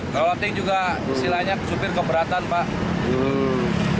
kalau latih juga silanya supir keberatan pak